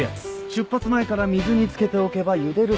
出発前から水に漬けておけばゆでる